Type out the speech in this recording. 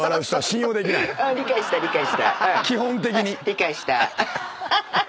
理解した。